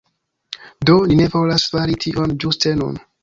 Do, ni ne volas fari tion ĝuste nun